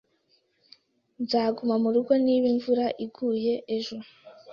Nzaguma murugo niba imvura iguye ejo.